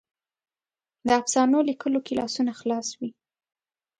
د افسانو لیکلو کې لاسونه خلاص وي.